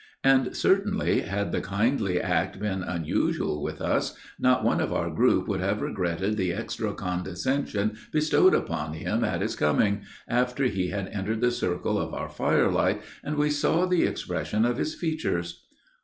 And, certainly, had the kindly act been unusual with us, not one of our group would have regretted the extra condescension bestowed upon him at his coming, after he had entered the circle of our firelight, and we saw the expression of his features.